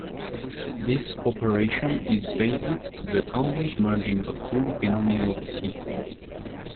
This operation is basic to the complete merging of two binomial heaps.